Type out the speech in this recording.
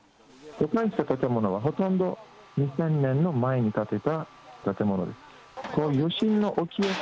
倒壊した建物はほとんど、２０００年の前に建てた建物です。